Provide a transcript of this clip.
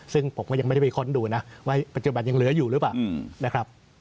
ซึ่งผมก็ยังไม่ได้ไปค้นดูนะว่าปัจจุบันยังเหลืออยู่หรือเปล่านะครับ